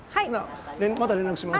また連絡します。